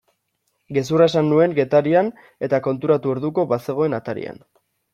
Gezurra esan nuen Getarian eta konturatu orduko bazegoen atarian.